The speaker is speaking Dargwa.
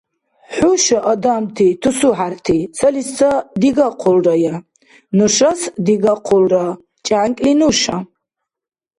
ХӀуша, адамти, тусухӀярти, цалис ца дигахъулрая, нушас дигахъулра чӀянкӀли нуша.